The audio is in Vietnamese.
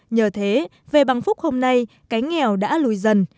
nhờ thế về bằng phúc hôm nay cái nghèo đã lùi dần